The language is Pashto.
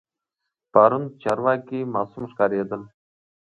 پرون چارواکي معصوم ښکارېدل.